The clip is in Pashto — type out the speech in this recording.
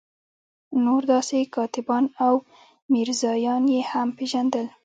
نور داسې کاتبان او میرزایان یې هم پېژندل.